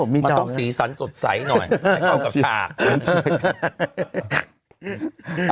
มันต้องสีสันสดใสหน่อยให้เข้ากับฉาก